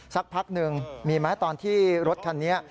สักพักหนึ่งมีไหมตอนที่รถคันนี้